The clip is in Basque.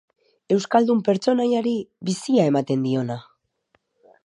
Euskaldun pertsonaiari bizia ematen diona.